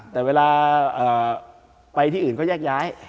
แต่เวลาไปที่อื่นก็แยกย้าย